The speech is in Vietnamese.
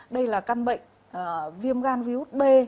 đây là căn bệnh viêm gan virus b